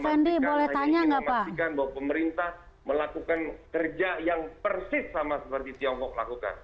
hanya ingin memastikan bahwa pemerintah melakukan kerja yang persis sama seperti tiongkok lakukan